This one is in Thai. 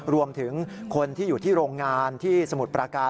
รวมถึงคนที่อยู่ที่โรงงานที่สมุทรประการ